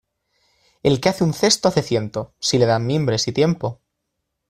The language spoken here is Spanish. El que hace un cesto hace ciento, si le dan mimbres y tiempo.